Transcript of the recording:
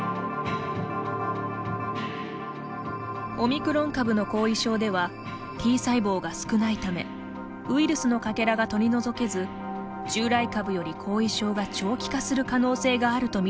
オミクロン株の後遺症ではＴ細胞が少ないためウイルスのかけらが取り除けず従来株より後遺症が長期化する可能性があると見ています。